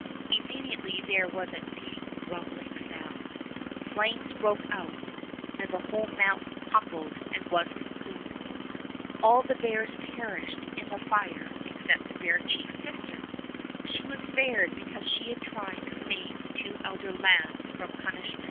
Immedi ately there was a deep rumbling sound, flames broke out, and the whole mountain crumbled and was consumed. All the bears perished in the fire except the bear chief's sister. She was spared because she had tried to save the two elder lads from punishment.